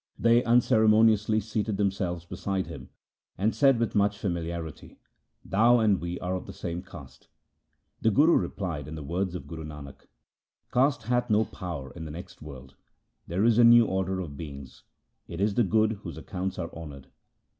They unceremoniously seated themselves beside him, and said with much famili arity, ' Thou and we are of the same caste.' The Guru replied in the words of Guru Nanak :— Caste hath no power in the next world ; there is a new order of beings. It is the good whose accounts are honoured.